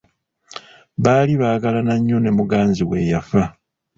Baali baagalana nnyo ne muganzi we eyafa.